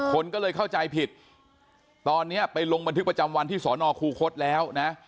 คนก็เลยเข้าใจผิดตอนนี้ไปลงบันทึกประจำวันที่สอนอคูคศแล้วนะ